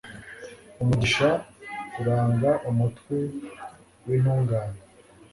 umugisha uranga umutwe w'intungane